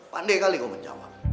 pande kali kau menjawab